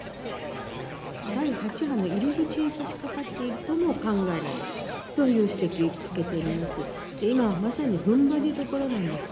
第８波の入り口にさしかかっているとも考えられるという指摘を受けております。